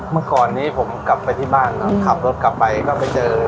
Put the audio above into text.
เมื่อก่อนนี้ผมกลับไปที่บ้านครับขับรถกลับไปก็ไปเจอ